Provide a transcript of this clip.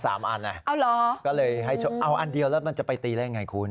ก็มันหลดมา๓อันเอาอันเดียวแล้วมันจะไปตีได้ยังไงคุณ